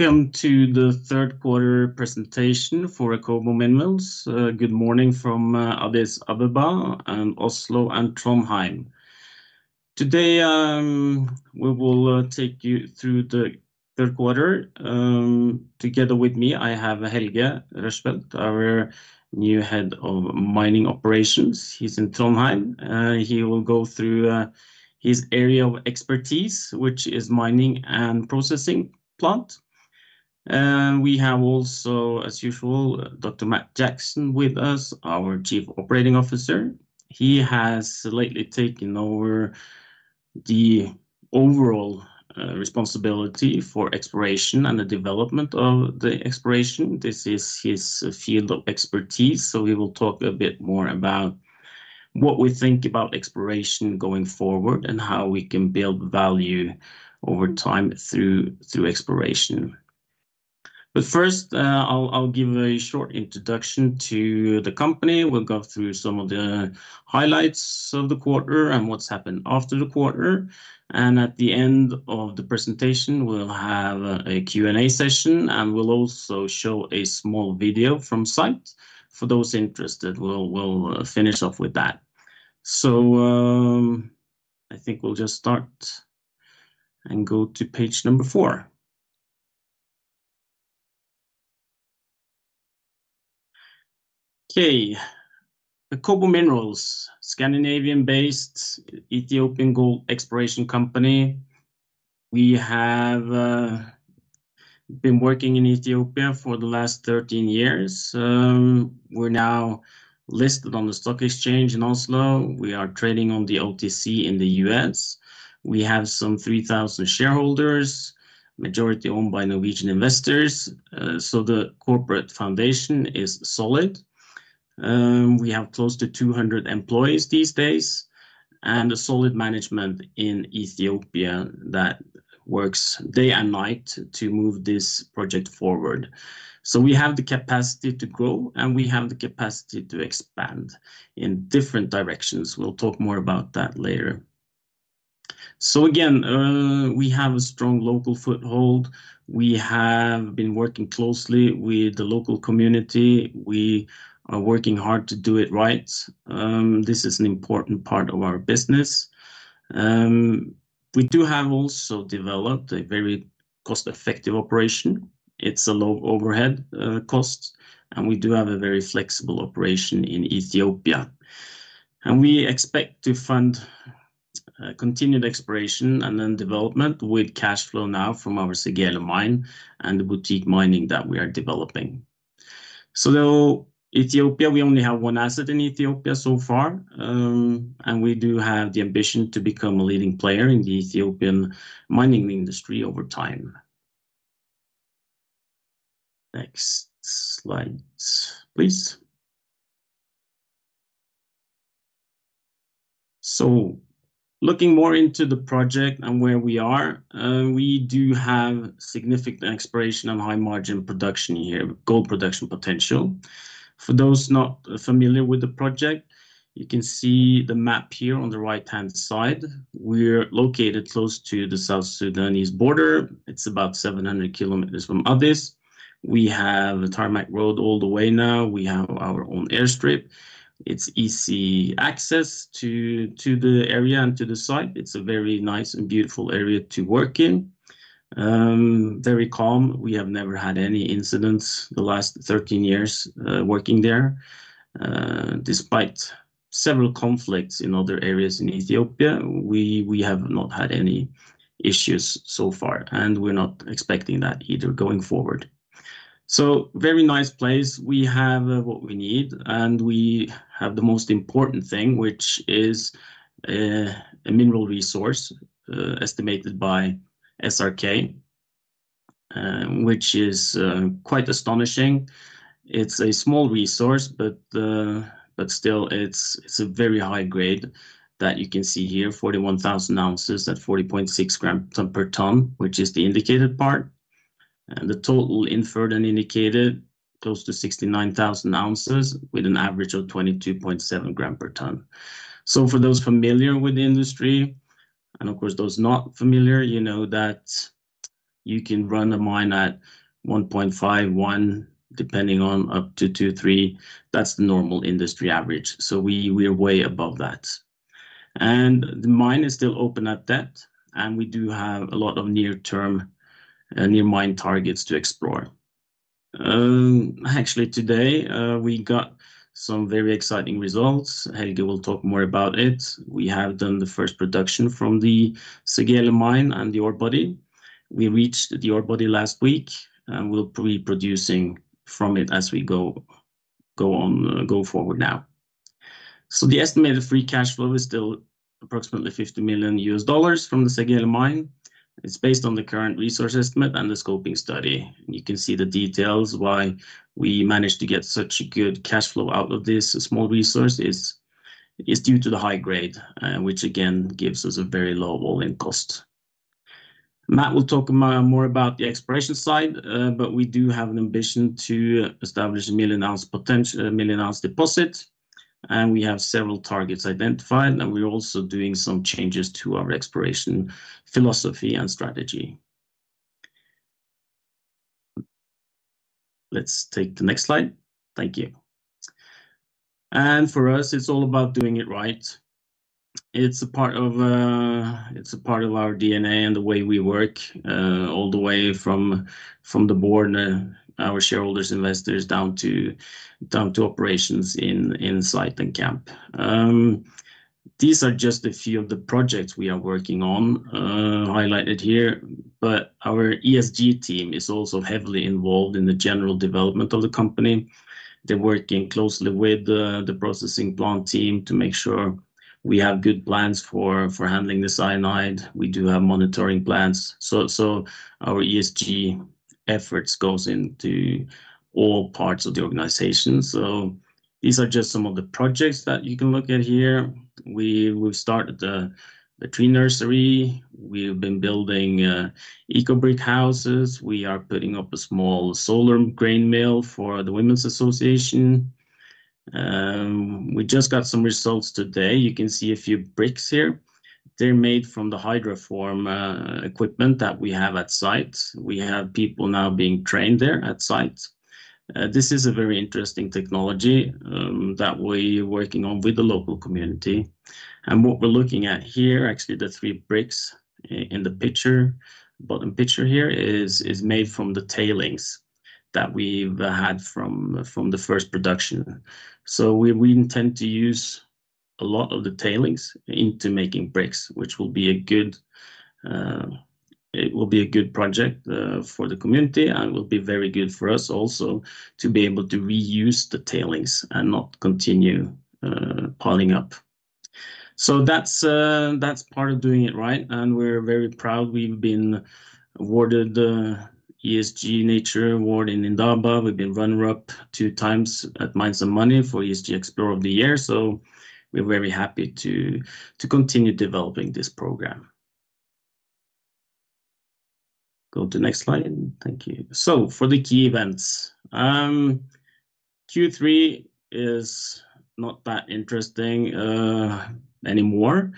Welcome to the third quarter presentation for Akobo Minerals. Good morning from Addis Ababa and Oslo and Trondheim. Today, we will take you through the third quarter. Together with me, I have Helge Rushfeldt, our new Head of Mining Operations. He's in Trondheim. He will go through his area of expertise, which is mining and processing plant. We have also, as usual, Dr. Matt Jackson with us, our Chief Operating Officer. He has lately taken over the overall responsibility for exploration and the development of the exploration. This is his field of expertise, so we will talk a bit more about what we think about exploration going forward, and how we can build value over time through exploration. But first, I'll give a short introduction to the company. We'll go through some of the highlights of the quarter and what's happened after the quarter, and at the end of the presentation, we'll have a Q&A session, and we'll also show a small video from site. For those interested, we'll finish off with that. So, I think we'll just start and go to page number four. Okay. Akobo Minerals, Scandinavian-based Ethiopian gold exploration company. We have been working in Ethiopia for the last 13 years. We're now listed on the stock exchange in Oslo. We are trading on the OTC in the US. We have some 3,000 shareholders, majority owned by Norwegian investors, so the corporate foundation is solid. We have close to 200 employees these days, and a solid management in Ethiopia that works day and night to move this project forward. So we have the capacity to grow, and we have the capacity to expand in different directions. We'll talk more about that later. So again, we have a strong local foothold. We have been working closely with the local community. We are working hard to do it right. This is an important part of our business. We do have also developed a very cost-effective operation. It's a low overhead cost, and we do have a very flexible operation in Ethiopia. And we expect to fund continued exploration and then development with cash flow now from our Segele mine and the boutique mining that we are developing. So though Ethiopia, we only have one asset in Ethiopia so far, and we do have the ambition to become a leading player in the Ethiopian mining industry over time. Next slides, please. So looking more into the project and where we are, we do have significant exploration and high margin production here, gold production potential. For those not familiar with the project, you can see the map here on the right-hand side. We're located close to the South Sudan border. It's about 700 km from Addis. We have a tarmac road all the way now, we have our own airstrip. It's easy access to, to the area and to the site. It's a very nice and beautiful area to work in. Very calm. We have never had any incidents the last 13 years, working there. Despite several conflicts in other areas in Ethiopia, we, we have not had any issues so far, and we're not expecting that either going forward. So very nice place. We have what we need, and we have the most important thing, which is a mineral resource estimated by SRK, which is quite astonishing. It's a small resource, but still it's a very high grade that you can see here, 41,000 oz at 40.6 g per ton, which is the indicated part, and the total inferred and indicated, close to 69,000 oz, with an average of 22.7 g per ton. So for those familiar with the industry, and of course, those not familiar, you know that you can run a mine at 1.5, 1, depending on up to 2, 3. That's the normal industry average, so we're way above that. And the mine is still open at that, and we do have a lot of near-term, near mine targets to explore. Actually, today, we got some very exciting results. Helge will talk more about it. We have done the first production from the Segele mine and the ore body. We reached the ore body last week, and we'll be producing from it as we go on, go forward now. So the estimated free cash flow is still approximately $50 million from the Segele mine. It's based on the current resource estimate and the scoping study. You can see the details why we managed to get such a good cash flow out of this small resource is due to the high grade, which again, gives us a very low all-in cost. Matt will talk about more about the exploration side, but we do have an ambition to establish a 1 million-ounce potential—a 1 million-ounce deposit. We have several targets identified, and we're also doing some changes to our exploration, philosophy, and strategy. Let's take the next slide. Thank you. For us, it's all about doing it right. It's a part of, it's a part of our DNA and the way we work, all the way from, from the board and our shareholders, investors, down to, down to operations on site and camp. These are just a few of the projects we are working on, highlighted here, but our ESG team is also heavily involved in the general development of the company. They're working closely with the processing plant team to make sure we have good plans for handling the cyanide. We do have monitoring plans, so our ESG efforts goes into all parts of the organization. So these are just some of the projects that you can look at here. We've started a tree nursery. We've been building eco-brick houses. We are putting up a small solar grain mill for the Women's Association. We just got some results today. You can see a few bricks here. They're made from the Hydraform equipment that we have at site. We have people now being trained there at site. This is a very interesting technology that we're working on with the local community. And what we're looking at here, actually, the three bricks in the picture, bottom picture here is made from the tailings that we've had from the first production. So we intend to use a lot of the tailings into making bricks, which will be a good... It will be a good project, for the community and will be very good for us also to be able to reuse the tailings and not continue, piling up. So that's, that's part of doing it right, and we're very proud. We've been awarded the ESG Nature Award in Indaba. We've been runner-up two times at Mines and Money for ESG Explorer of the Year, so we're very happy to, to continue developing this program. Go to the next slide, and thank you. So for the key events. Q3 is not that interesting, anymore.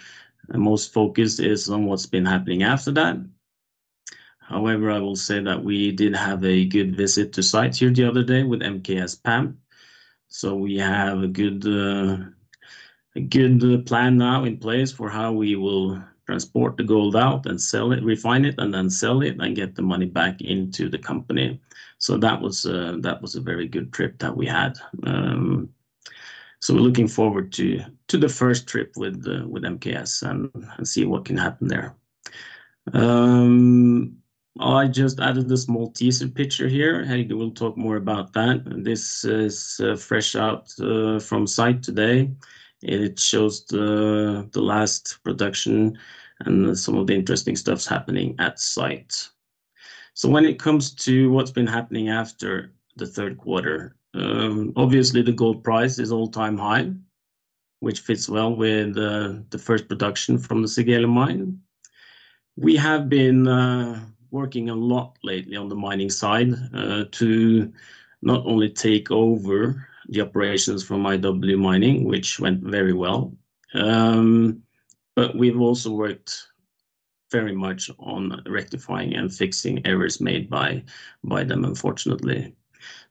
Most focus is on what's been happening after that. However, I will say that we did have a good visit to site here the other day with MKS PAMP. So we have a good, a good plan now in place for how we will transport the gold out and sell it, refine it, and then sell it, and get the money back into the company. So that was a, that was a very good trip that we had. So we're looking forward to the first trip with the MKS and see what can happen there. I just added this small teaser picture here, Helge will talk more about that. This is fresh out from site today. It shows the last production and some of the interesting stuff happening at site. So when it comes to what's been happening after the third quarter, obviously, the gold price is all-time high, which fits well with the first production from the Segele Mine. We have been working a lot lately on the mining side, to not only take over the operations from IW Mining, which went very well, but we've also worked very much on rectifying and fixing errors made by them, unfortunately.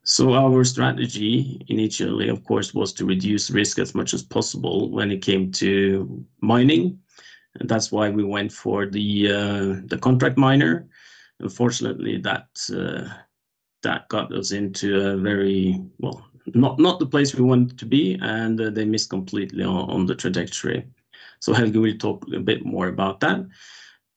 So our strategy initially, of course, was to reduce risk as much as possible when it came to mining, and that's why we went for the contract miner. Unfortunately, that got us into a very, well, not the place we wanted to be, and they missed completely on the trajectory. So Helge will talk a bit more about that,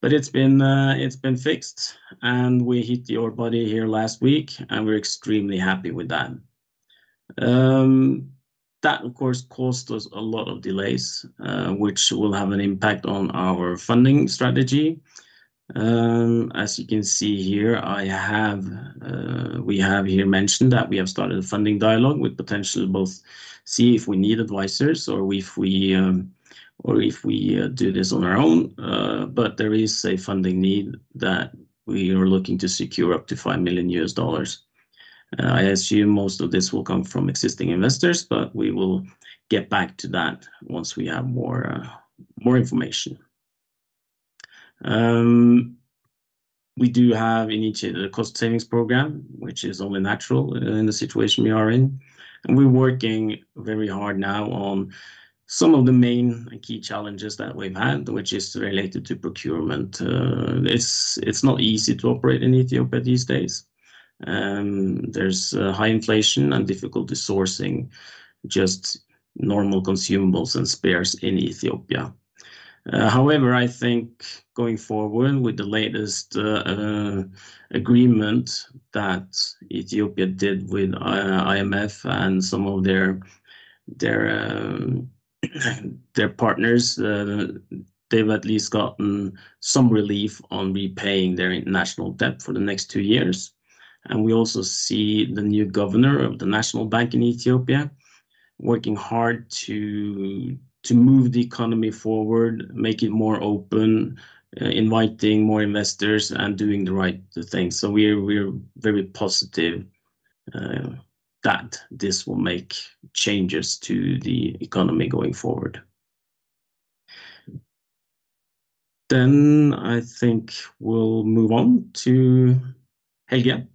but it's been fixed, and we hit the ore body here last week, and we're extremely happy with that. That, of course, cost us a lot of delays, which will have an impact on our funding strategy. As you can see here, I have, we have here mentioned that we have started a funding dialogue. We potentially both see if we need advisors or if we, or if we, do this on our own. But there is a funding need that we are looking to secure up to $5 million. I assume most of this will come from existing investors, but we will get back to that once we have more, more information. We do have initiated a cost savings program, which is only natural in the situation we are in. We're working very hard now on some of the main key challenges that we've had, which is related to procurement. It's not easy to operate in Ethiopia these days. There's high inflation and difficulty sourcing just normal consumables and spares in Ethiopia. However, I think going forward with the latest agreement that Ethiopia did with IMF and some of their partners, they've at least gotten some relief on repaying their international debt for the next two years. And we also see the new governor of the National Bank of Ethiopia working hard to move the economy forward, make it more open, inviting more investors, and doing the right things. So we're very positive that this will make changes to the economy going forward.... Then I think we'll move on to Helge,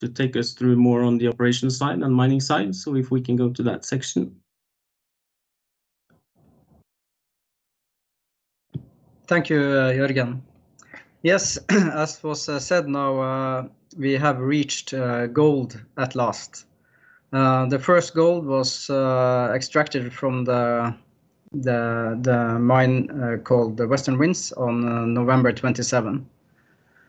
to take us through more on the operation side and mining side. So if we can go to that section. Thank you, Jørgen. Yes, as was said now, we have reached gold at last. The first gold was extracted from the mine called the Western Winze on November 27.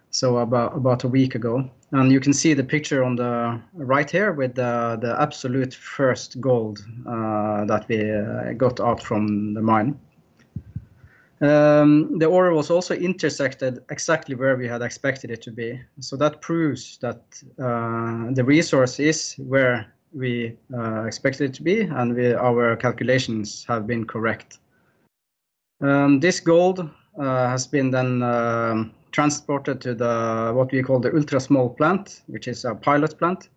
So about a week ago. You can see the picture on the right here with the absolute first gold that we got out from the mine. The ore was also intersected exactly where we had expected it to be, so that proves that the resource is where we expected it to be, and our calculations have been correct. This gold has been then transported to the what we call the ultra-small plant, which is a pilot plant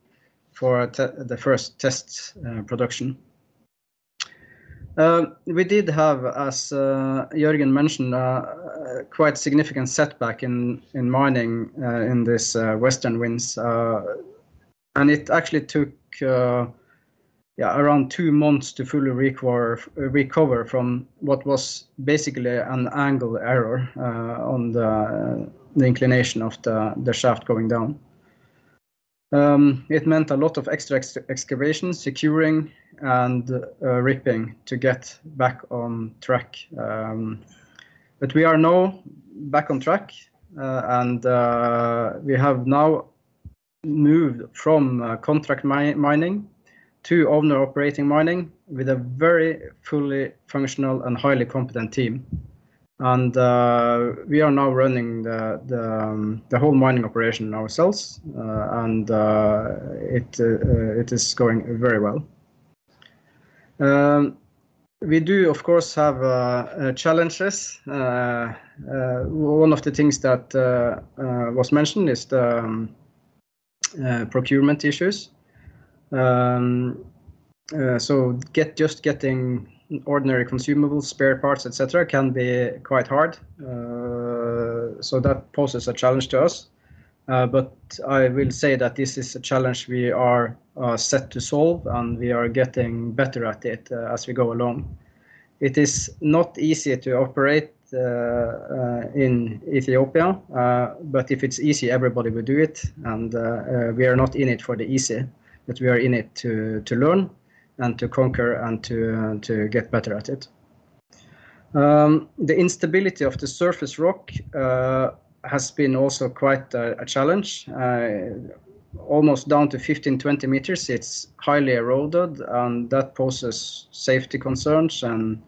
for the first test production. We did have, as Jørgen mentioned, quite a significant setback in mining in this Western Winze. And it actually took, yeah, around two months to fully recover from what was basically an angle error on the inclination of the shaft going down. It meant a lot of extra excavation, securing, and ripping to get back on track. But we are now back on track. And we have now moved from contract mining to owner-operating mining, with a very fully functional and highly competent team. And we are now running the whole mining operation ourselves, and it is going very well. We do, of course, have challenges. One of the things that was mentioned is the procurement issues. So just getting ordinary consumable spare parts, et cetera, can be quite hard. So that poses a challenge to us. But I will say that this is a challenge we are set to solve, and we are getting better at it as we go along. It is not easy to operate in Ethiopia, but if it's easy, everybody would do it, and we are not in it for the easy, but we are in it to learn, and to conquer, and to get better at it. The instability of the surface rock has been also quite a challenge. Almost down to 15 m, 20 m, it's highly eroded, and that poses safety concerns and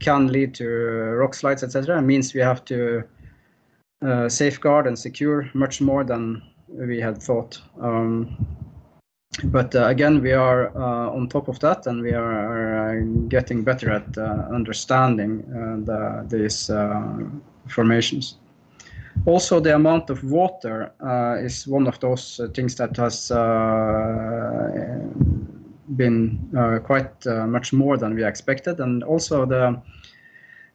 can lead to rock slides, et cetera. It means we have to safeguard and secure much more than we had thought. But again, we are on top of that, and we are getting better at understanding the formations. Also, the amount of water is one of those things that has been quite much more than we expected. And also,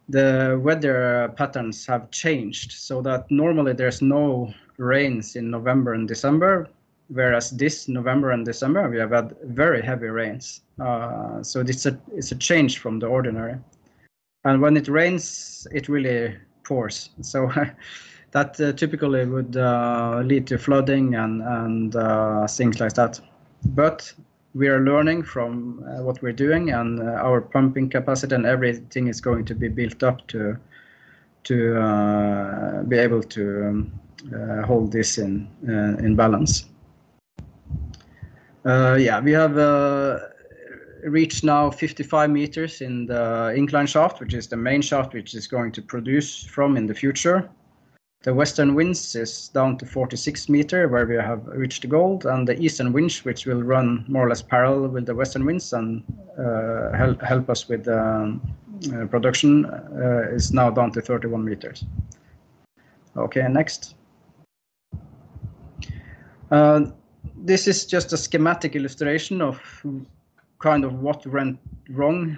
the weather patterns have changed, so that normally there's no rains in November and December, whereas this November and December, we have had very heavy rains. So this is a change from the ordinary. And when it rains, it really pours. So that typically would lead to flooding and things like that. But we are learning from what we're doing, and our pumping capacity and everything is going to be built up to be able to hold this in balance. Yeah, we have reached now 55 m in the Incline Shaft, which is the main shaft, which is going to produce from in the future. The Western Winze is down to 46 m, where we have reached gold, and the Eastern Winze, which will run more or less parallel with the Western Winze and help us with production, is now down to 31 m. Okay, next. This is just a schematic illustration of kind of what went wrong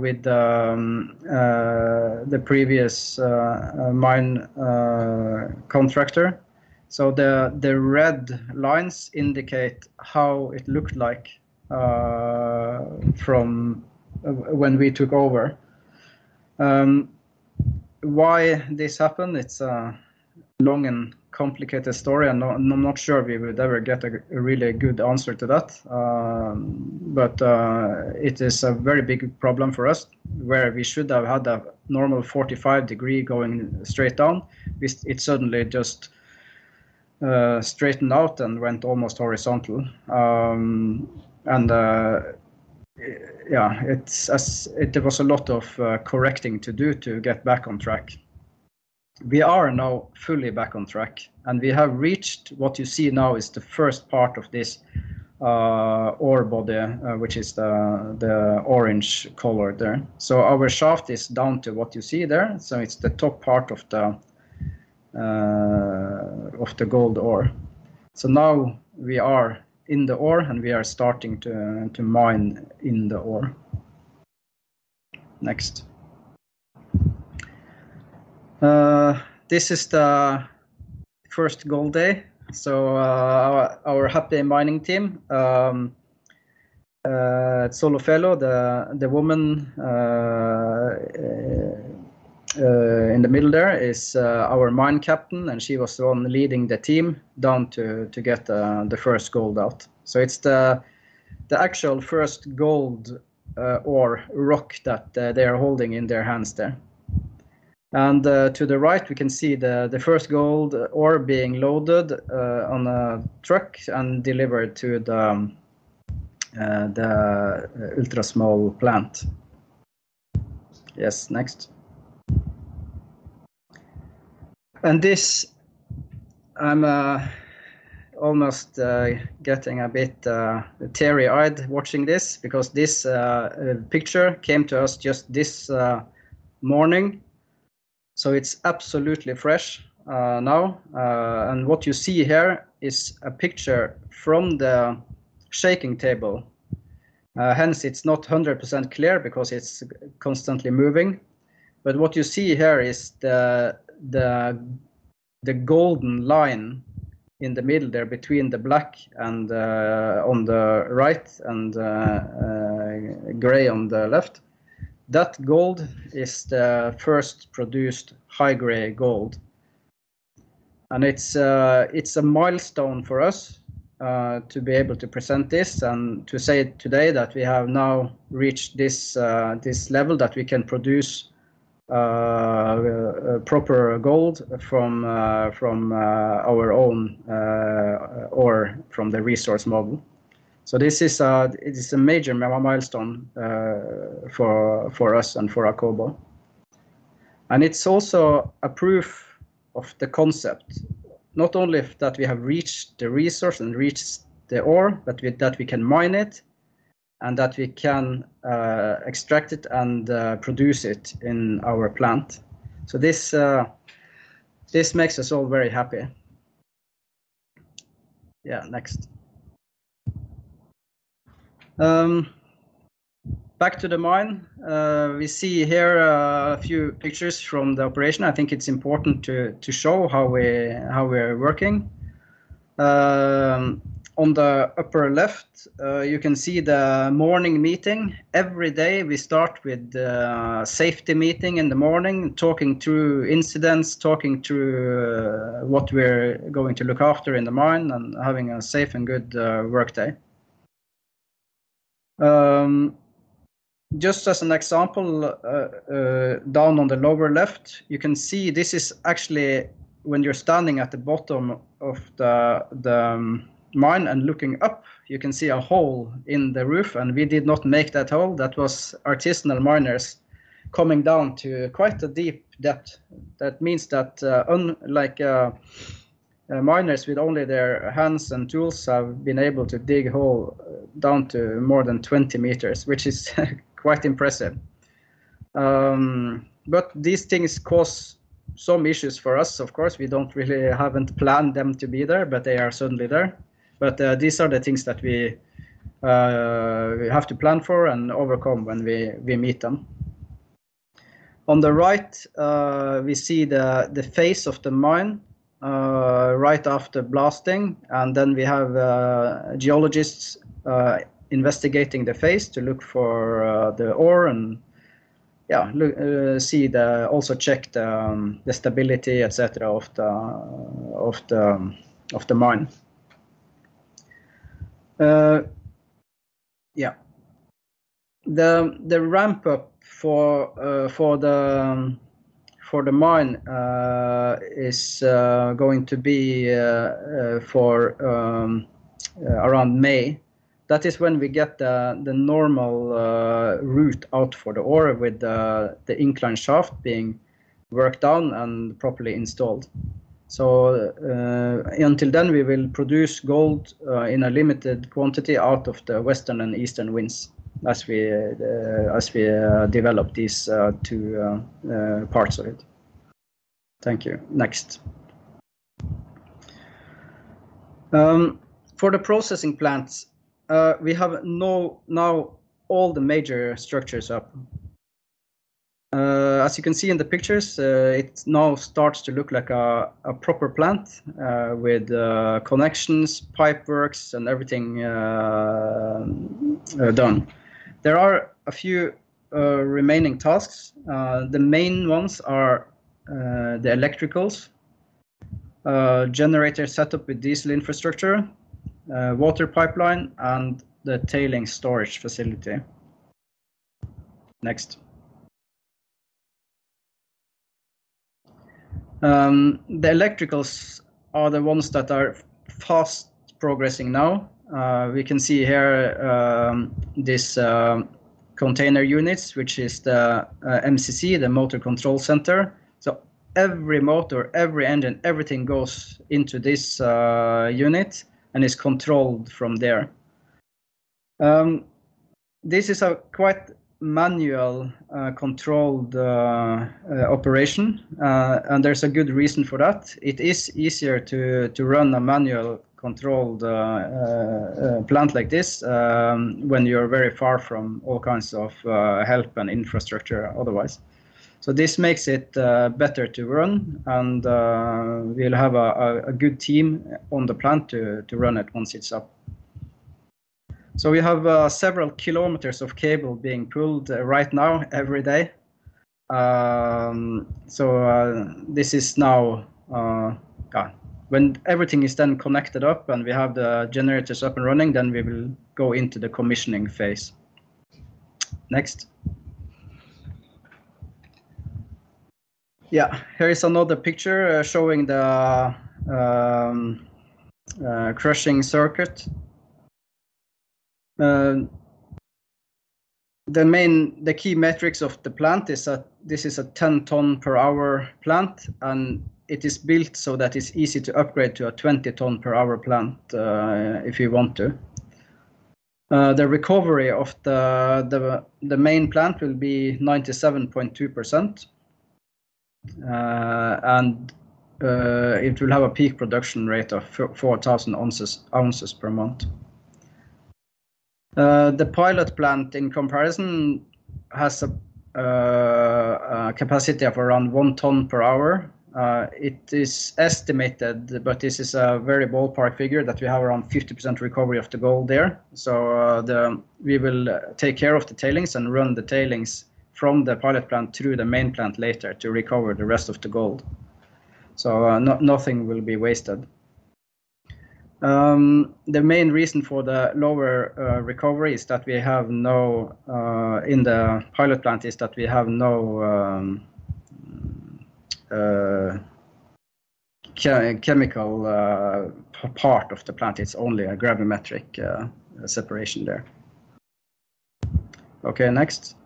with the previous mine contractor. So the red lines indicate how it looked like from when we took over. Why this happened, it's a long and complicated story, and I'm not sure we would ever get a really good answer to that. But it is a very big problem for us, where we should have had a normal 45-degree going straight down; it suddenly just straightened out and went almost horizontal. And there was a lot of correcting to do to get back on track. We are now fully back on track, and we have reached... What you see now is the first part of this ore body, which is the orange color there. So our shaft is down to what you see there, so it's the top part of the gold ore. So now we are in the ore, and we are starting to mine in the ore. Next. This is the first gold day, so our happy mining team. Tsholofelo, the woman in the middle there, is our mine captain, and she was the one leading the team down to get the first gold out. So it's the actual first gold ore rock that they are holding in their hands there. And to the right, we can see the first gold ore being loaded on a truck and delivered to the ultra small plant. Yes, next. And this, I'm almost getting a bit teary-eyed watching this, because this picture came to us just this morning, so it's absolutely fresh now. And what you see here is a picture from the shaking table. Hence, it's not 100% clear because it's constantly moving. But what you see here is the golden line in the middle there between the black and on the right and gray on the left. That gold is the first produced high-grade gold, and it's a milestone for us to be able to present this and to say it today that we have now reached this level, that we can produce proper gold from our own ore from the resource model. So this is a major milestone for us and for Akobo. And it's also a proof of the concept. Not only that we have reached the resource and reached the ore, but with that, we can mine it, and that we can extract it and produce it in our plant. So this, this makes us all very happy. Yeah, next. Back to the mine. We see here a few pictures from the operation. I think it's important to show how we're working. On the upper left, you can see the morning meeting. Every day, we start with a safety meeting in the morning, talking through incidents, talking through what we're going to look after in the mine, and having a safe and good workday. Just as an example, down on the lower left, you can see this is actually when you're standing at the bottom of the mine and looking up, you can see a hole in the roof, and we did not make that hole. That was artisanal miners coming down to quite a deep depth. That means that miners with only their hands and tools have been able to dig a hole down to more than 20 m, which is quite impressive. But these things cause some issues for us, of course. We really haven't planned them to be there, but they are certainly there. But these are the things that we have to plan for and overcome when we meet them. On the right, we see the face of the mine right after blasting, and then we have geologists investigating the face to look for the ore and, yeah, look, see also check the stability, et cetera, of the mine. Yeah. The ramp up for the mine is going to be around May. That is when we get the normal route out for the ore, with the incline shaft being worked on and properly installed. So, until then, we will produce gold in a limited quantity out of the western and eastern winzes, as we develop these two parts of it. Thank you. Next. For the processing plants, we have now, now all the major structures up. As you can see in the pictures, it now starts to look like a proper plant, with connections, pipeworks, and everything done. There are a few remaining tasks. The main ones are the electricals, generator set up with diesel infrastructure, water pipeline, and the tailings storage facility. Next. The electricals are the ones that are fast progressing now. We can see here, this container units, which is the MCC, the Motor Control Center. So every motor, every engine, everything goes into this unit and is controlled from there. This is a quite manual controlled operation, and there's a good reason for that. It is easier to run a manual-controlled plant like this when you're very far from all kinds of help and infrastructure otherwise. So this makes it better to run, and we'll have a good team on the plant to run it once it's up. So we have several kilometers of cable being pulled right now every day. This is now when everything is then connected up, and we have the generators up and running, then we will go into the commissioning phase. Next. Yeah, here is another picture showing the crushing circuit. The key metrics of the plant is that this is a 10 tonne per hour plant, and it is built so that it's easy to upgrade to a 20 tonne per hour plant, if you want to. The recovery of the main plant will be 97.2%, and it will have a peak production rate of 4,000 oz per month. The pilot plant, in comparison, has a capacity of around 1 tonne per hour. It is estimated, but this is a very ballpark figure, that we have around 50% recovery of the gold there. We will take care of the tailings and run the tailings from the pilot plant through the main plant later to recover the rest of the gold, so nothing will be wasted. The main reason for the lower recovery is that we have no in the pilot plant is that we have no chemical part of the plant. It's only a gravimetric separation there. Okay, next.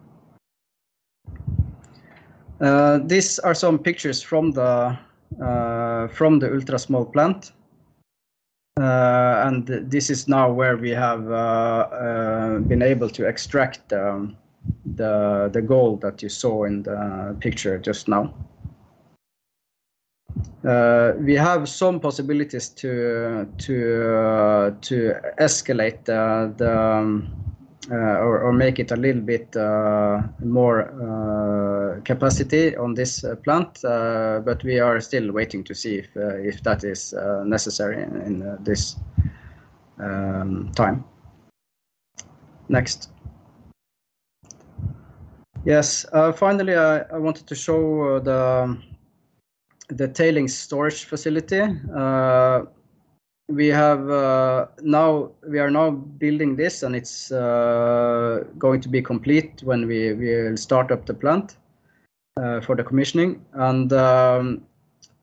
These are some pictures from the ultra-small plant. And this is now where we have been able to extract the gold that you saw in the picture just now. We have some possibilities to escalate the or make it a little bit more capacity on this plant, but we are still waiting to see if that is necessary in this time. Next. Yes, finally, I wanted to show the tailings storage facility. We have, we are now building this, and it's going to be complete when we start up the plant for the commissioning.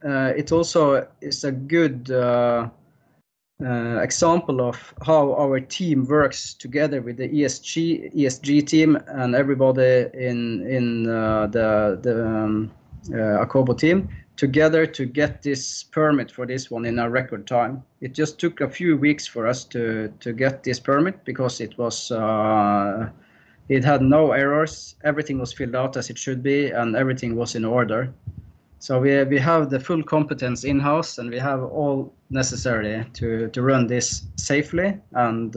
It also is a good example of how our team works together with the ESG team and everybody in the Akobo team together to get this permit for this one in a record time. It just took a few weeks for us to get this permit because it had no errors. Everything was filled out as it should be, and everything was in order. So we have the full competence in-house, and we have all necessary to run this safely, and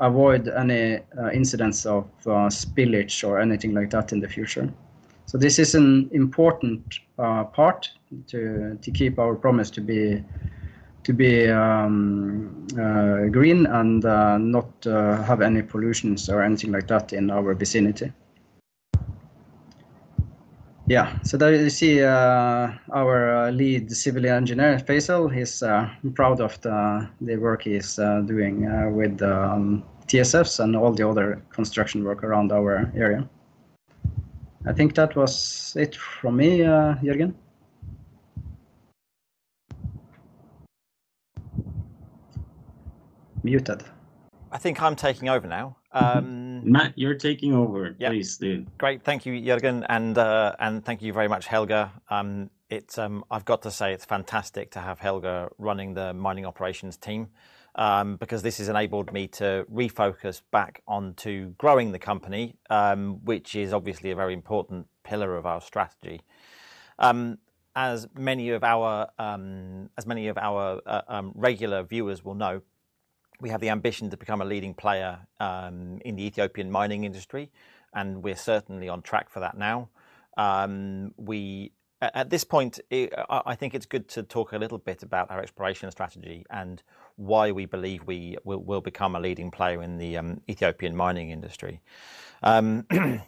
avoid any incidents of spillage or anything like that in the future. So this is an important part to keep our promise to be green and not have any pollutions or anything like that in our vicinity. Yeah, so there you see our lead civil engineer, Faisal. He's proud of the work he's doing with TSFs and all the other construction work around our area. I think that was it from me, Jørgen. Muted. I think I'm taking over now. Matt, you're taking over. Yeah. Please do. Great. Thank you, Jørgen, and thank you very much, Helge. It's fantastic to have Helge running the mining operations team, because this has enabled me to refocus back onto growing the company, which is obviously a very important pillar of our strategy. As many of our regular viewers will know, we have the ambition to become a leading player in the Ethiopian mining industry, and we're certainly on track for that now. At this point, I think it's good to talk a little bit about our exploration strategy and why we believe we will become a leading player in the Ethiopian mining industry. Many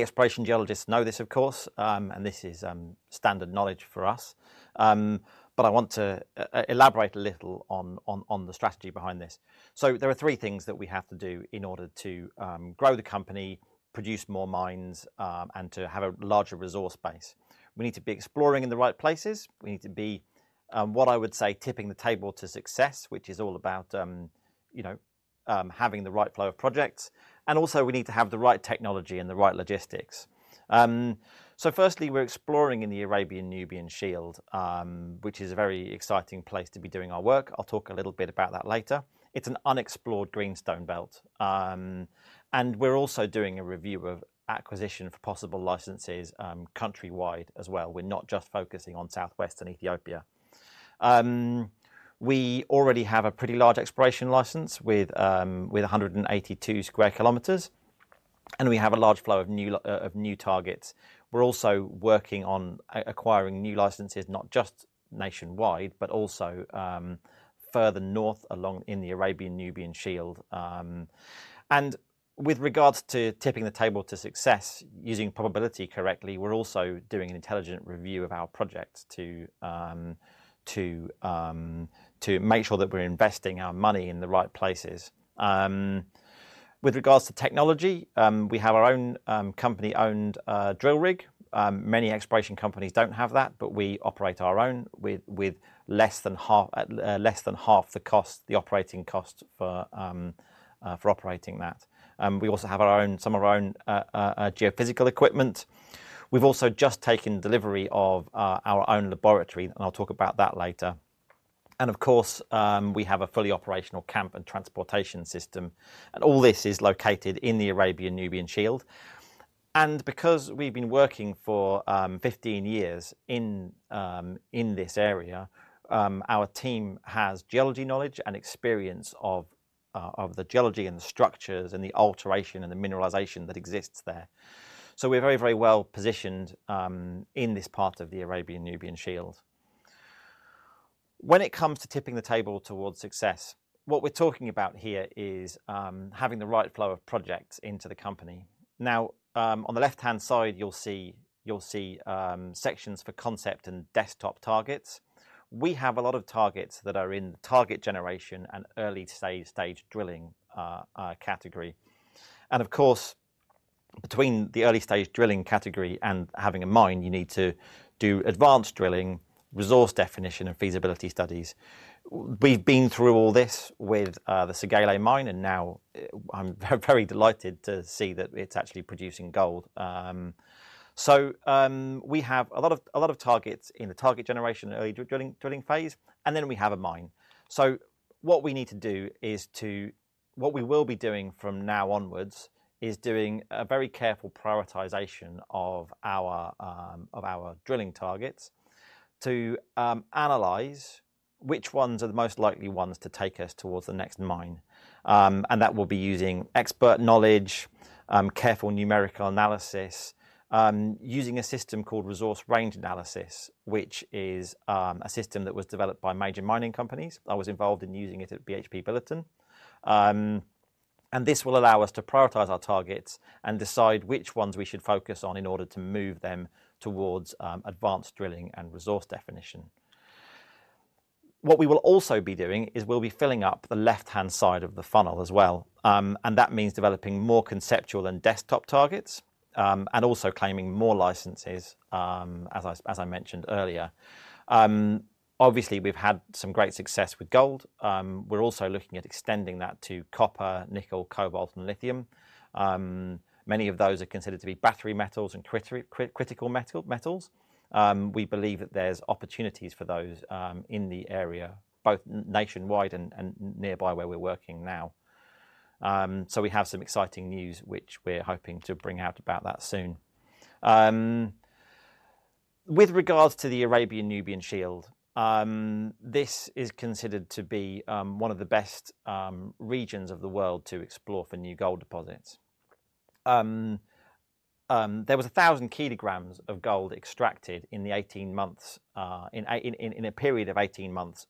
exploration geologists know this, of course, and this is standard knowledge for us. But I want to elaborate a little on the strategy behind this. So there are three things that we have to do in order to grow the company, produce more mines, and to have a larger resource base. We need to be exploring in the right places. We need to be what I would say tipping the table to success, which is all about you know having the right flow of projects, and also we need to have the right technology and the right logistics. So firstly, we're exploring in the Arabian-Nubian Shield, which is a very exciting place to be doing our work. I'll talk a little bit about that later. It's an unexplored greenstone belt. And we're also doing a review of acquisition for possible licenses countrywide as well. We're not just focusing on southwestern Ethiopia. We already have a pretty large exploration license with 182 sq km, and we have a large flow of new targets. We're also working on acquiring new licenses, not just nationwide, but also further north along in the Arabian-Nubian Shield. And with regards to tipping the table to success, using probability correctly, we're also doing an intelligent review of our projects to make sure that we're investing our money in the right places. With regards to technology, we have our own company-owned drill rig. Many exploration companies don't have that, but we operate our own with less than half the cost, the operating cost for operating that. We also have our own, some of our own geophysical equipment. We've also just taken delivery of our own laboratory, and I'll talk about that later. And of course, we have a fully operational camp and transportation system, and all this is located in the Arabian-Nubian Shield. And because we've been working for 15 years in in this area, our team has geology knowledge and experience of, of the geology and the structures, and the alteration, and the mineralization that exists there. So we're very, very well positioned in this part of the Arabian-Nubian Shield. When it comes to tipping the table towards success, what we're talking about here is having the right flow of projects into the company. Now, on the left-hand side, you'll see, you'll see sections for concept and desktop targets. We have a lot of targets that are in target generation and early stage drilling category. Of course, between the early-stage drilling category and having a mine, you need to do advanced drilling, resource definition, and feasibility studies. We've been through all this with the Segele mine, and now I'm very, very delighted to see that it's actually producing gold. So, we have a lot of targets in the target generation and early drilling phase, and then we have a mine. So what we need to do is to... What we will be doing from now onwards is doing a very careful prioritization of our drilling targets, to analyze which ones are the most likely ones to take us towards the next mine. And that will be using expert knowledge, careful numerical analysis, using a system called Resource Range Analysis, which is a system that was developed by major mining companies. I was involved in using it at BHP Billiton. And this will allow us to prioritize our targets and decide which ones we should focus on in order to move them towards advanced drilling and resource definition. What we will also be doing is we'll be filling up the left-hand side of the funnel as well. And that means developing more conceptual and desktop targets, and also claiming more licenses, as I mentioned earlier. Obviously, we've had some great success with gold. We're also looking at extending that to copper, nickel, cobalt, and lithium. Many of those are considered to be battery metals and critical metals. We believe that there's opportunities for those in the area, both nationwide and nearby where we're working now. So we have some exciting news, which we're hoping to bring out about that soon. With regards to the Arabian-Nubian Shield, this is considered to be one of the best regions of the world to explore for new gold deposits. There was 1,000 kg of gold extracted in the 18 months in a period of 18 months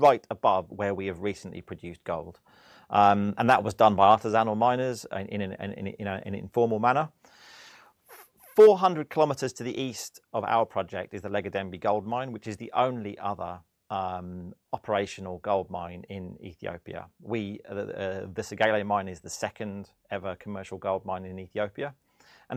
right above where we have recently produced gold. And that was done by artisanal miners in an informal manner. 400 km to the east of our project is the Lega Dembi Gold Mine, which is the only other operational gold mine in Ethiopia. The Segele Mine is the second-ever commercial gold mine in Ethiopia.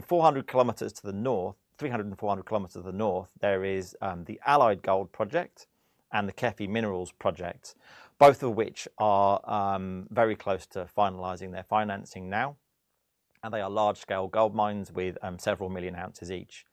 400 km to the north—300 km-400 km to the north, there is the Allied Gold project and the KEFI Minerals project, both of which are very close to finalizing their financing now, and they are large-scale gold mines with several million ounces each.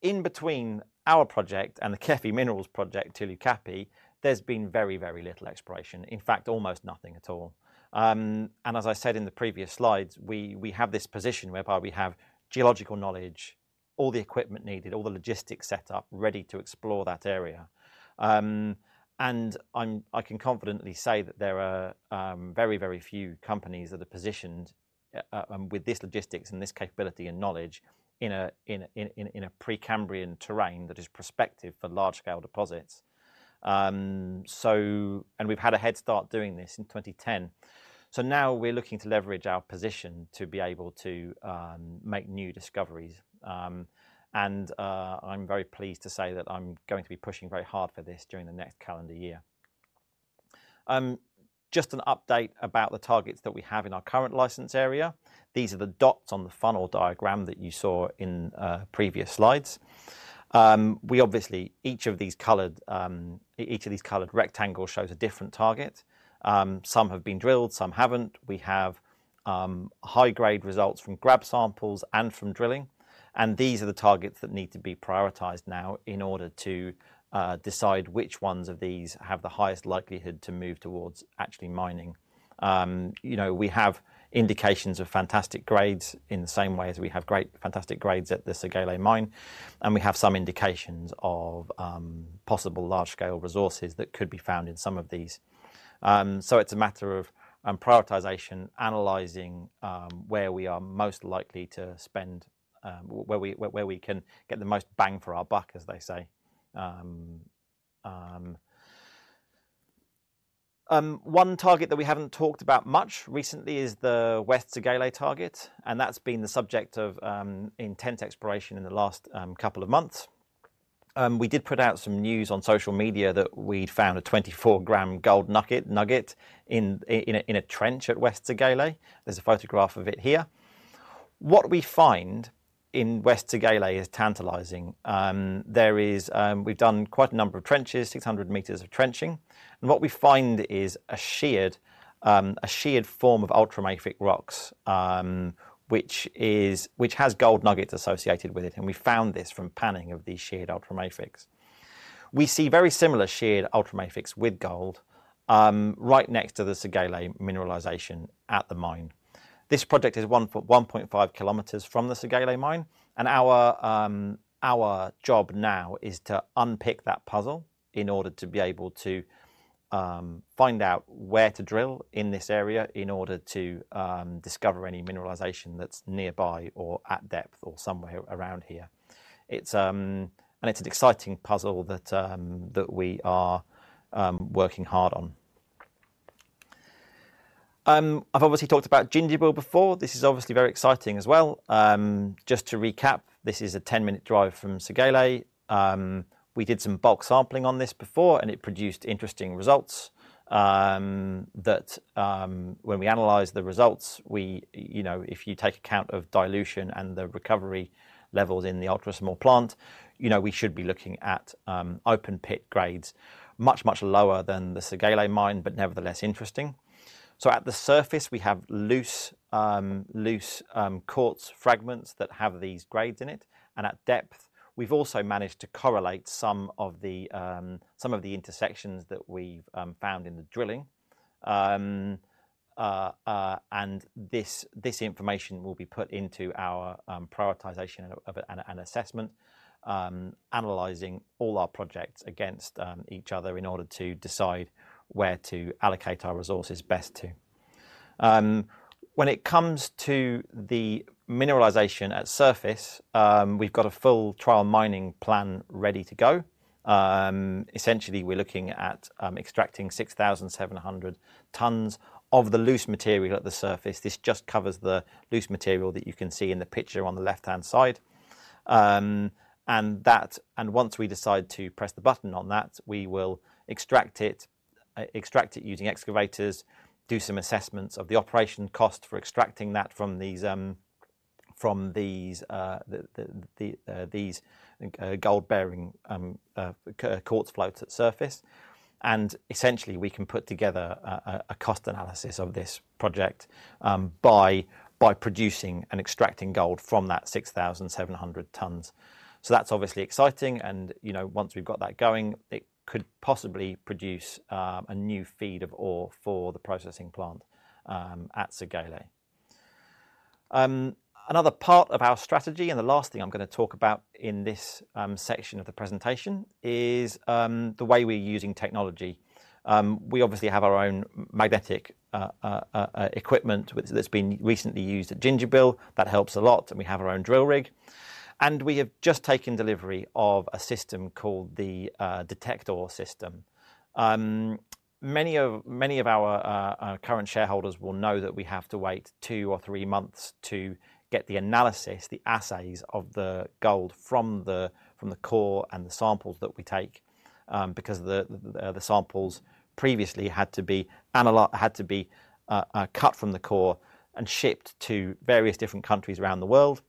In between our project and the KEFI Minerals project, Tulu Kapi, there's been very, very little exploration. In fact, almost nothing at all. And as I said in the previous slides, we have this position whereby we have geological knowledge, all the equipment needed, all the logistics set up, ready to explore that area. I can confidently say that there are very, very few companies that are positioned with this logistics and this capability and knowledge in a Precambrian terrain that is prospective for large-scale deposits. We've had a head start doing this in 2010. So now we're looking to leverage our position to be able to make new discoveries. I'm very pleased to say that I'm going to be pushing very hard for this during the next calendar year. Just an update about the targets that we have in our current license area. These are the dots on the funnel diagram that you saw in previous slides. We obviously, each of these coloured rectangles shows a different target. Some have been drilled, some haven't. We have high-grade results from grab samples and from drilling, and these are the targets that need to be prioritized now in order to decide which ones of these have the highest likelihood to move towards actually mining... you know, we have indications of fantastic grades in the same way as we have great, fantastic grades at the Segele mine, and we have some indications of possible large-scale resources that could be found in some of these. So it's a matter of prioritization, analyzing where we are most likely to spend, where we can get the most bang for our buck, as they say. One target that we haven't talked about much recently is the West Segele target, and that's been the subject of intense exploration in the last couple of months. We did put out some news on social media that we'd found a 24 g gold nugget in a trench at West Segele. There's a photograph of it here. What we find in West Segele is tantalising. We've done quite a number of trenches, 600 m of trenching, and what we find is a sheared form of ultramafic rocks, which has gold nuggets associated with it, and we found this from panning of these sheared ultramafics. We see very similar sheared ultramafics with gold right next to the Segele mineralisation at the mine. This project is 1 km-1.5 km from the Segele mine, and our job now is to unpick that puzzle in order to be able to find out where to drill in this area, in order to discover any mineralization that's nearby or at depth or somewhere around here. It's an exciting puzzle that we are working hard on. I've obviously talked about Gingibil before. This is obviously very exciting as well. Just to recap, this is a 10-minute drive from Segele. We did some bulk sampling on this before, and it produced interesting results. When we analyzed the results, we, you know, if you take account of dilution and the recovery levels in the ultrasmall plant, you know, we should be looking at open pit grades much, much lower than the Segele mine, but nevertheless interesting. So at the surface, we have loose quartz fragments that have these grades in it, and at depth, we've also managed to correlate some of the intersections that we've found in the drilling. And this information will be put into our prioritization and assessment, analyzing all our projects against each other in order to decide where to allocate our resources best to. When it comes to the mineralization at surface, we've got a full trial mining plan ready to go. Essentially, we're looking at extracting 6,700 tonnes of the loose material at the surface. This just covers the loose material that you can see in the picture on the left-hand side. And once we decide to press the button on that, we will extract it using excavators, do some assessments of the operation cost for extracting that from these gold-bearing quartz floats at surface. And essentially, we can put together a cost analysis of this project by producing and extracting gold from that 6,700 tonnes. So that's obviously exciting, and you know, once we've got that going, it could possibly produce a new feed of ore for the processing plant at Segele. Another part of our strategy, and the last thing I'm gonna talk about in this section of the presentation, is the way we're using technology. We obviously have our own magnetic equipment, which that's been recently used at Gingibil. That helps a lot, and we have our own drill rig. And we have just taken delivery of a system called the DetectORE system. Many of our current shareholders will know that we have to wait two or three months to get the analysis, the assays of the gold from the core and the samples that we take, because the samples previously had to be cut from the core and shipped to various different countries around the world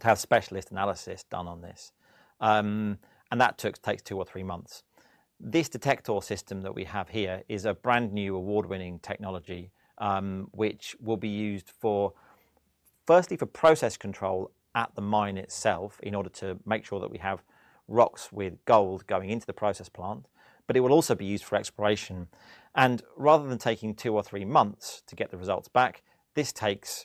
to have specialist analysis done on this. That takes two or three months. This DetectORE system that we have here is a brand-new, award-winning technology, which will be used for, firstly, for process control at the mine itself, in order to make sure that we have rocks with gold going into the process plant, but it will also be used for exploration. And rather than taking two or three months to get the results back, this takes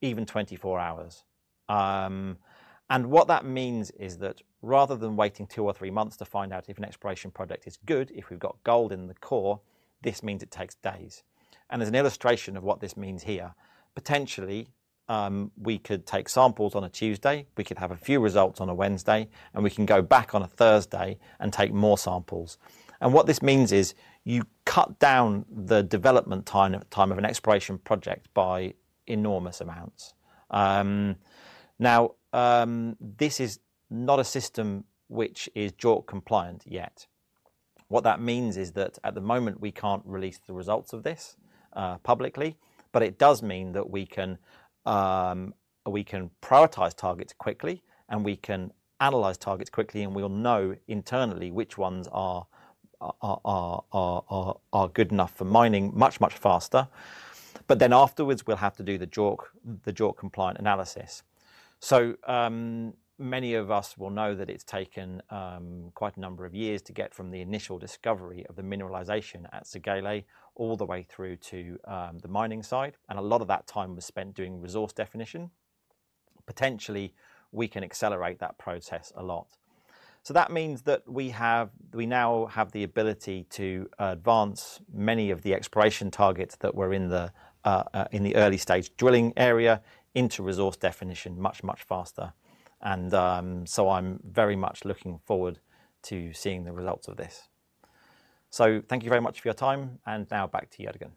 even 24 hours. What that means is that rather than waiting two or three months to find out if an exploration project is good, if we've got gold in the core, this means it takes days. And there's an illustration of what this means here. Potentially, we could take samples on a Tuesday, we could have a few results on a Wednesday, and we can go back on a Thursday and take more samples. What this means is, you cut down the development time of an exploration project by enormous amounts. Now, this is not a system which is JORC-compliant yet. What that means is that at the moment, we can't release the results of this publicly, but it does mean that we can prioritize targets quickly, and we can analyze targets quickly, and we'll know internally which ones are good enough for mining much, much faster, but then afterwards, we'll have to do the JORC, the JORC-compliant analysis. So, many of us will know that it's taken quite a number of years to get from the initial discovery of the mineralization at Segele all the way through to the mining site, and a lot of that time was spent doing resource definition. Potentially, we can accelerate that process a lot. So that means that we have- we now have the ability to advance many of the exploration targets that were in the early stage drilling area into resource definition much, much faster, and so I'm very much looking forward to seeing the results of this. So thank you very much for your time, and now back to you, Jørgen.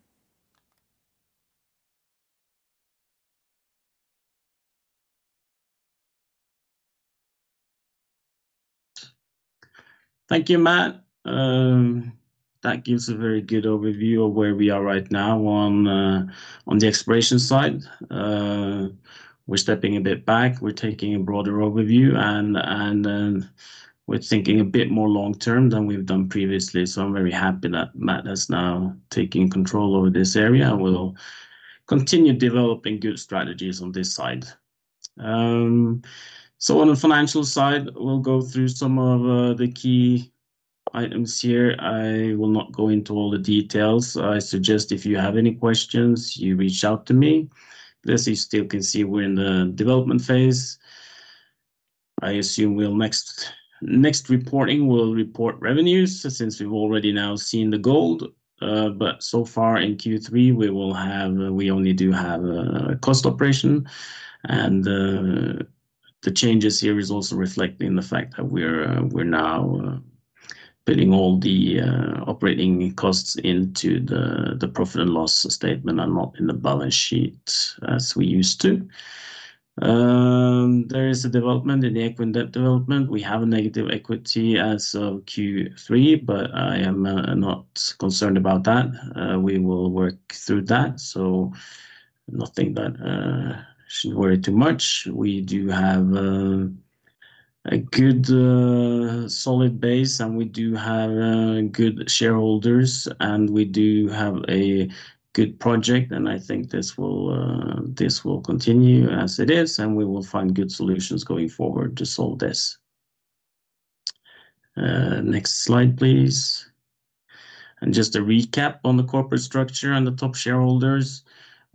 Thank you, Matt. That gives a very good overview of where we are right now on the exploration side. We're stepping a bit back, we're taking a broader overview, and we're thinking a bit more long-term than we've done previously. So I'm very happy that Matt is now taking control over this area, and we'll continue developing good strategies on this side. So on the financial side, we'll go through some of the key items here. I will not go into all the details. I suggest if you have any questions, you reach out to me. This, you still can see, we're in the development phase. I assume in the next reporting, we'll report revenues, since we've already now seen the gold. But so far in Q3, we will have... We only do have cost operation, and the changes here is also reflecting the fact that we're now putting all the operating costs into the profit and loss statement and not in the balance sheet, as we used to. There is a development in the equity and debt development. We have a negative equity as of Q3, but I am not concerned about that. We will work through that, so nothing that should worry too much. We do have a good solid base, and we do have good shareholders, and we do have a good project, and I think this will continue as it is, and we will find good solutions going forward to solve this. Next slide, please. And just a recap on the corporate structure and the top shareholders.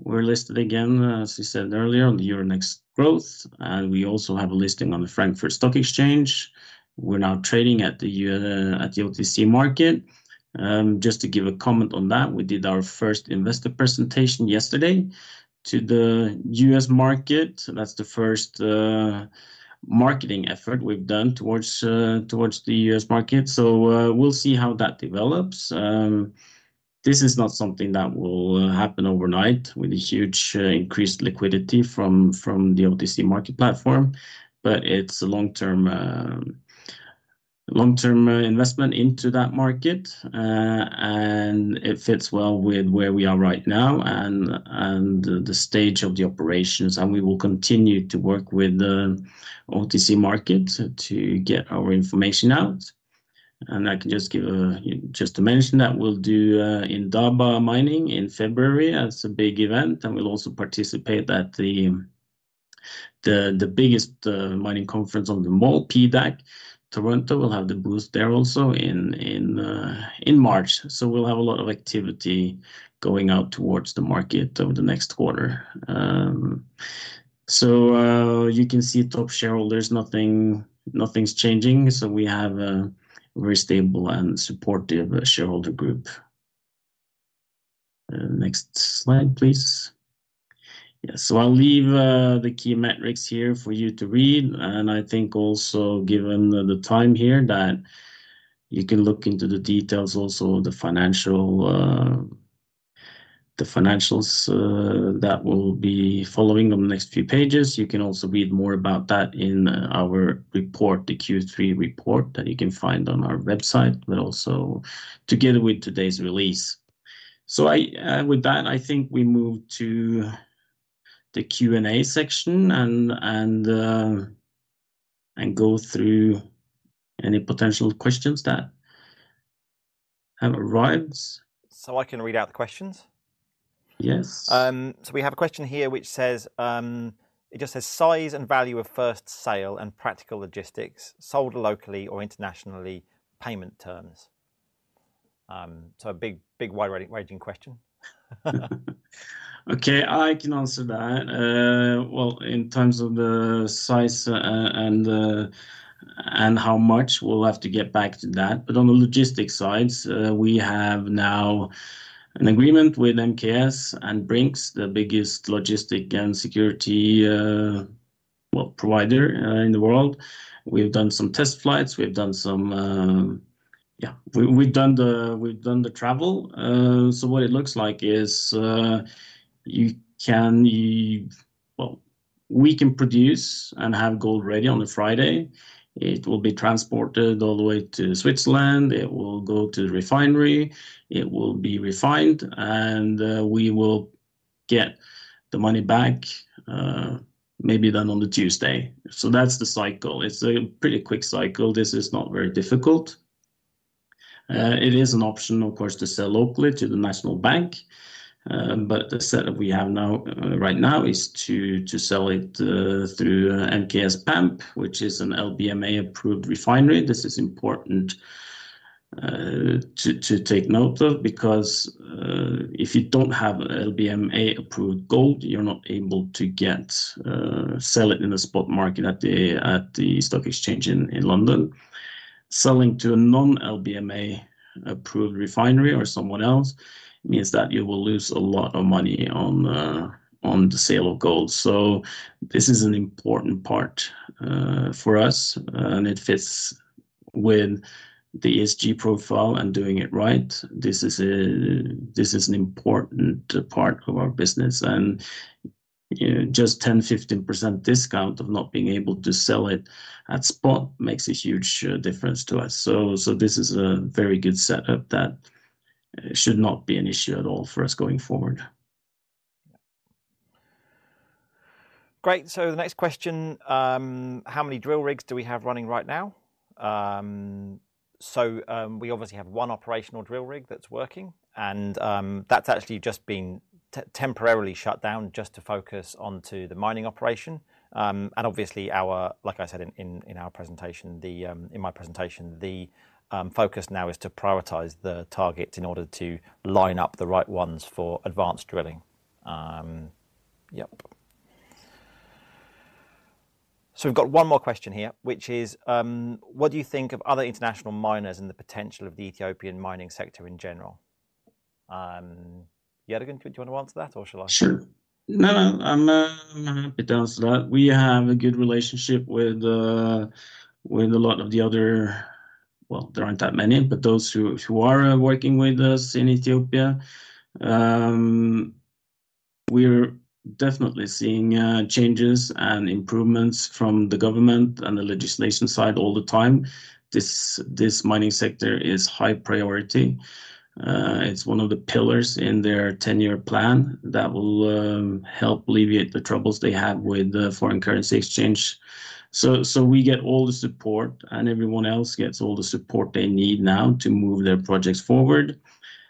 We're listed again, as we said earlier, on the Euronext Growth, and we also have a listing on the Frankfurt Stock Exchange. We're now trading at the OTC Market. Just to give a comment on that, we did our first investor presentation yesterday to the U.S. market. So that's the first marketing effort we've done towards the U.S. market. So, we'll see how that develops. This is not something that will happen overnight with a huge increased liquidity from the OTC market platform, but it's a long-term investment into that market. And it fits well with where we are right now and the stage of the operations, and we will continue to work with the OTC market to get our information out. And I can just give a... Just to mention that we'll do Indaba Mining in February. That's a big event, and we'll also participate at the biggest mining conference on the mall, PDAC. Toronto will have the booth there also in March. So we'll have a lot of activity going out towards the market over the next quarter. You can see top shareholders, nothing's changing, so we have a very stable and supportive shareholder group. Next slide, please. Yeah, so I'll leave the key metrics here for you to read, and I think also, given the time here, that you can look into the details, also the financials that will be following on the next few pages. You can also read more about that in our report, the Q3 report, that you can find on our website, but also together with today's release. So I, with that, I think we move to the Q&A section and go through any potential questions that have arrived. I can read out the questions? Yes. So we have a question here which says, it just says, "Size and value of first sale and practical logistics. Sold locally or internationally? Payment terms." So a big, big wide-ranging question. Okay, I can answer that. Well, in terms of the size, and how much, we'll have to get back to that. But on the logistics sides, we have now an agreement with MKS and Brink's, the biggest logistic and security, well, provider, in the world. We've done some test flights, we've done the travel. So what it looks like is, well, we can produce and have gold ready on a Friday. It will be transported all the way to Switzerland, it will go to the refinery, it will be refined, and we will get the money back, maybe then on the Tuesday. So that's the cycle. It's a pretty quick cycle. This is not very difficult. It is an option, of course, to sell locally to the National Bank. But the setup we have now, right now, is to sell it through MKS PAMP, which is an LBMA-approved refinery. This is important to take note of, because if you don't have LBMA-approved gold, you're not able to sell it in the spot market at the stock exchange in London. Selling to a non-LBMA-approved refinery or someone else means that you will lose a lot of money on the sale of gold. So this is an important part for us, and it fits with the ESG profile and doing it right. This is an important part of our business, and, you know, just 10%-15% discount of not being able to sell it at spot makes a huge difference to us. So this is a very good setup that should not be an issue at all for us going forward. Great. So the next question: How many drill rigs do we have running right now? So, we obviously have one operational drill rig that's working, and, that's actually just been temporarily shut down just to focus onto the mining operation. And obviously, like I said in our presentation, in my presentation, the focus now is to prioritize the targets in order to line up the right ones for advanced drilling. Yep. So we've got one more question here, which is: What do you think of other international miners and the potential of the Ethiopian mining sector in general? Jørgen, do you want to answer that, or shall I? Sure. No, no, I'm happy to answer that. We have a good relationship with a lot of the other... Well, there aren't that many, but those who are working with us in Ethiopia, we're definitely seeing changes and improvements from the government and the legislation side all the time. This mining sector is high priority. It's one of the pillars in their ten-year plan that will help alleviate the troubles they have with the foreign currency exchange. So we get all the support, and everyone else gets all the support they need now to move their projects forward.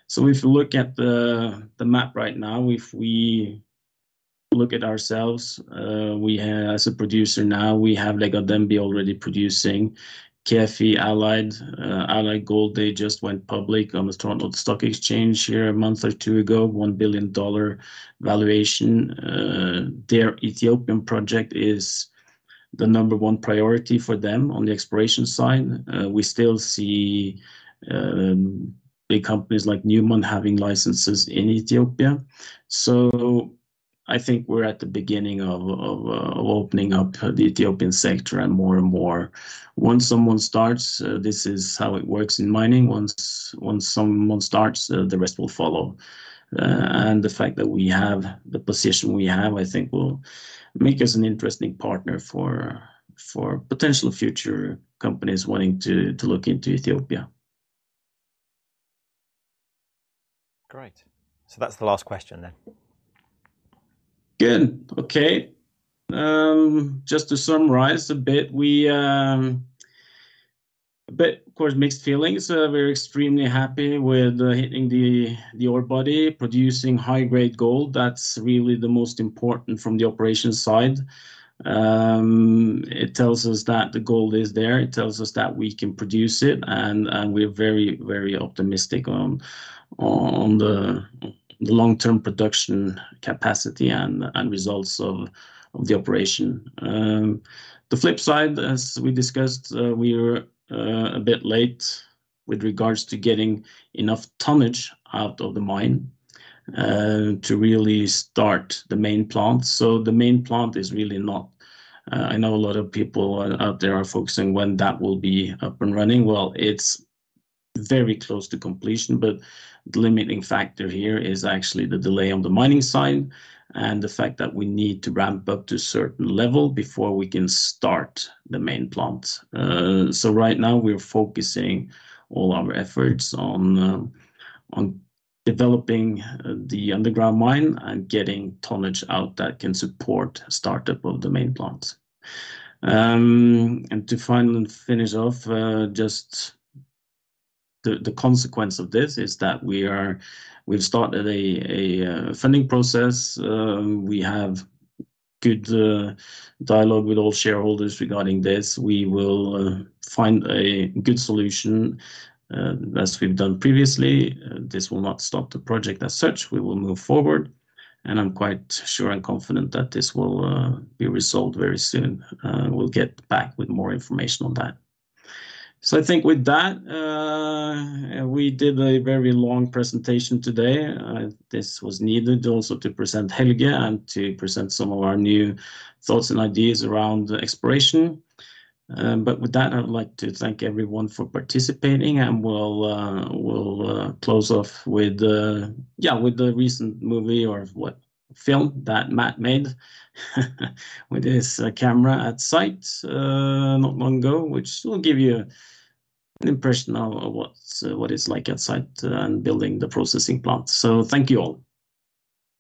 So if you look at the map right now, if we look at ourselves, we have as a producer now, we have Lega Dembi already producing. KEFI, Allied Gold, they just went public on the Toronto Stock Exchange here a month or two ago, $1 billion valuation. Their Ethiopian project is the number one priority for them on the exploration side. We still see big companies like Newmont having licenses in Ethiopia. So I think we're at the beginning of opening up the Ethiopian sector and more and more. Once someone starts, this is how it works in mining, once someone starts, the rest will follow. And the fact that we have the position we have, I think will make us an interesting partner for potential future companies wanting to look into Ethiopia. Great. So that's the last question, then. Good. Okay. Just to summarize a bit, we a bit, of course, mixed feelings. We're extremely happy with hitting the ore body, producing high-grade gold. That's really the most important from the operations side. It tells us that the gold is there, it tells us that we can produce it, and we're very, very optimistic on the long-term production capacity and results of the operation. The flip side, as we discussed, we are a bit late with regards to getting enough tonnage out of the mine to really start the main plant. So the main plant is really not... I know a lot of people out there are focusing when that will be up and running. Well, it's very close to completion, but the limiting factor here is actually the delay on the mining side and the fact that we need to ramp up to a certain level before we can start the main plant. So right now, we're focusing all our efforts on developing the underground mine and getting tonnage out that can support startup of the main plant. And to finally finish off, just the consequence of this is that we've started a funding process. We have good dialogue with all shareholders regarding this. We will find a good solution as we've done previously. This will not stop the project as such. We will move forward, and I'm quite sure and confident that this will be resolved very soon. We'll get back with more information on that. So I think with that, we did a very long presentation today. This was needed also to present Helge and to present some of our new thoughts and ideas around the exploration. But with that, I'd like to thank everyone for participating, and we'll close off with, yeah, with the recent movie or what film that Matt made, with his camera at site, not long ago, which will give you an impression of what it's like at site, and building the processing plant. So thank you all.